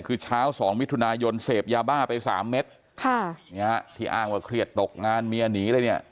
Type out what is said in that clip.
คือเช้าสองมิถุนายนเสพยาบ้าไปสามเม็ดค่ะเนี่ยที่อ้างว่าเครียดตกงานเมียหนีเลยเนี่ย